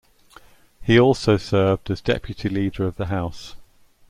He also served as deputy Leader of the House.